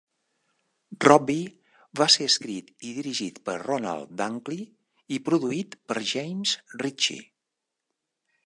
"Robbie" va ser escrit i dirigit per Ronald Dunkley i produït per James Ritchie.